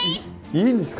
いいんですか？